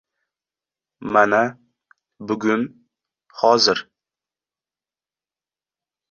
Mana, bugun... Hozir...